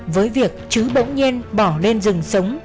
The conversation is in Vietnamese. với việc chứ bỗng nhiên bỏ lên rừng sống